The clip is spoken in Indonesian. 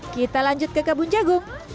kita lanjut ke kebun jagung